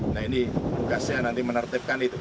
nah ini tugasnya nanti menertibkan itu